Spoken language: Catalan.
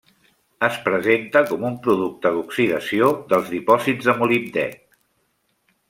Es presenta com un producte d'oxidació dels dipòsits de molibdè.